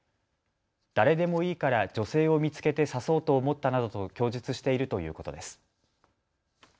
誰でもいいから女性を見つけて刺そうと思ったなどと供述しているということです。